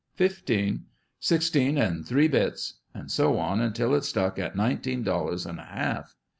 "Fifteen." "Six teen and three bits," and so on until it stuck at nineteen dollars and a half.